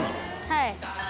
「はい」